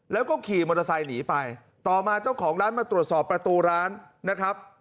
แล้วก็ขี่มอเตอร์ไซค์หนีไปต่อมาเจ้าของร้านมาตรวจสอบประตูร้านนะครับ